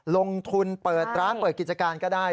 ลงทุนเปิดร้านเปิดกิจการก็ได้